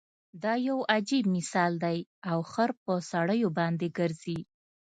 دا يو عجیب مثال دی او خر په سړیو باندې ګرځي.